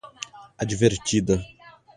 advertida